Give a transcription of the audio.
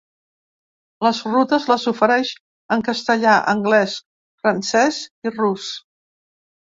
Les rutes les ofereix en castellà, anglès, francès i rus.